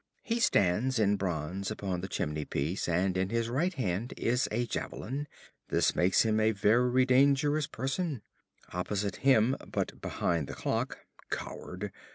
He stands in bronze upon the chimney piece, and in his right hand is a javelin; this makes him a very dangerous person. Opposite him, but behind the clock (Coward!)